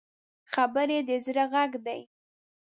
خبرې د زړه غږ دی